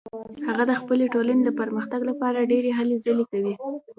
هغه د خپلې ټولنې د پرمختګ لپاره ډیرې هلې ځلې کوي